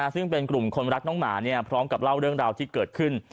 ซึ่งเป็นกลุ่มคนรักน้องหมาพร้อมกับเล่าเรื่องราวที่เกิดขึ้น